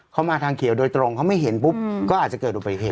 เขามาทางเขียวโดยตรงเขาไม่เห็นปุ๊บก็อาจจะเกิดอุบัติเหตุ